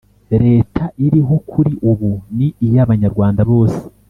leta iriho kuri ubu ni iy’abanyarwanda bose